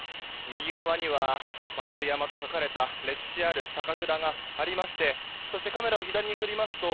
右側には丸山と書かれた歴史ある酒蔵がありましてそしてカメラを左に振りますと